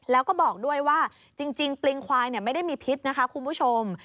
แล้วก็บอกด้วยว่าจริงปลิงควายไม่ได้มีพิษนะคะคุณผู้ชม